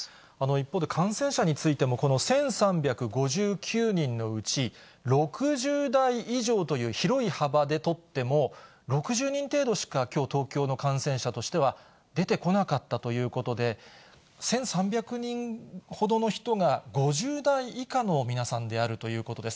一方で、感染者についても、この１３５９人のうち、６０代以上という広い幅で取っても、６０人程度しか、きょう東京の感染者としては出てこなかったということで、１３００人ほどの人が５０代以下の皆さんであるということです。